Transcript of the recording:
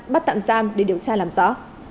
bắt tạm giam để điều tra làm rõ